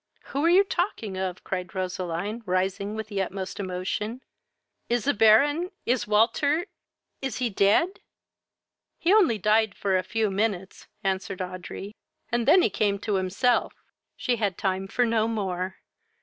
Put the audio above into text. "Who are you talking of? (cried Roseline, rising with the utmost emotion.) Is the Baron? is Walter? is he dead?" "He only died for a few minutes, (answered Audrey, and then he came to himself " She had time for no more.